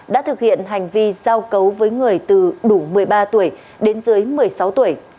đã thực hiện hành vi giao cấu với người từ đủ một mươi ba tuổi đến dưới một mươi sáu tuổi